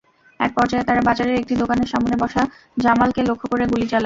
একপর্যায়ে তারা বাজারের একটি দোকানের সামনে বসা জামালকে লক্ষ্য করে গুলি চালায়।